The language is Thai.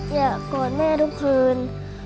อยากกอดแม่ทุกคืน